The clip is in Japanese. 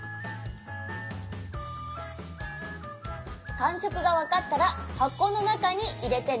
かんしょくがわかったらはこのなかにいれてね。